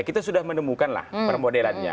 kita sudah menemukanlah per modelannya